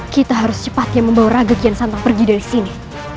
kita harus cepatnya membawa raga kian santang pergi dari sini